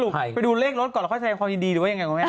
ไปดูเลขรถก่อนแล้วค่อยแสดงความยินดีหรือว่ายังไงคุณแม่